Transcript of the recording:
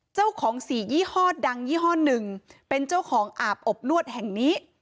เจ้าของสี่ยี่ห้อดังยี่ห้อหนึ่งเป็นเจ้าของอาบอบนวดแห่งนี้